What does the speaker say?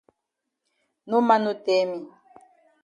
No man no tell me.